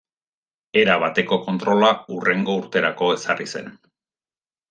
Erabateko kontrola hurrengo urterako ezarri zen.